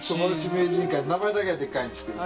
名前だけはでかいんですけど。